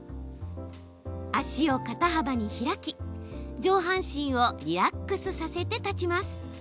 足を肩幅に開き、上半身をリラックスさせて立ちます。